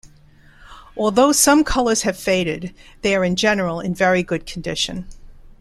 Although some colours have faded, they are in general in very good condition.